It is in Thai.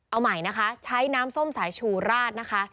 เอาใหม่นะคะใช้น้ำส้มสายชูราดนะคะ